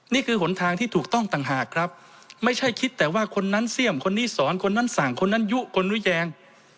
หนทางที่ถูกต้องต่างหากครับไม่ใช่คิดแต่ว่าคนนั้นเสี่ยมคนนี้สอนคนนั้นสั่งคนนั้นยุคนรู้แยง